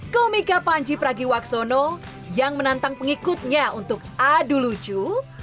komika panji pragiwaksono yang menantang pengikutnya untuk adu lucu